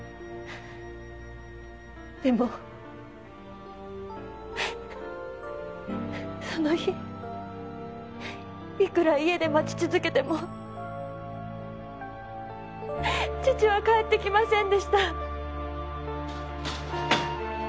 でもその日いくら家で待ち続けても父は帰ってきませんでした。